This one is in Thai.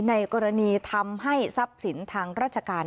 ในกรณีทำให้ทรัพย์สินทางราชการ